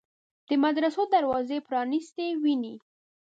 د مدرسو دروازې پرانیستې ویني.